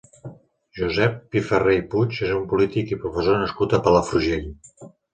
Josep Piferrer i Puig és un polític i professor nascut a Palafrugell.